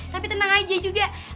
tapi tenang aja juga